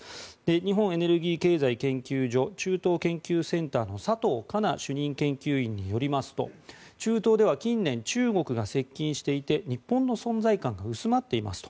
日本エネルギー経済研究所中東研究センターの佐藤佳奈主任研究員によりますと中東では近年、中国が接近していて日本の存在感が薄まっていますと。